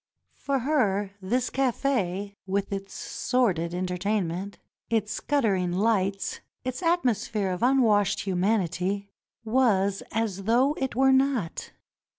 For her this cafe, with its sordid entertainment, its guttering lights, its atmosphere of unwashed human ity, was as though it were not.